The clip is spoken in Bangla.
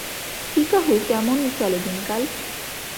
পিকা-হু কেমন চলে দিনকাল?